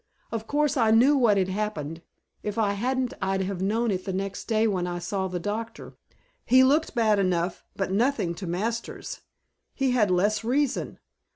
Of course I knew what had happened; if I hadn't I'd have known it the next day when I saw the doctor. He looked bad enough, but nothing to Masters. He had less reason!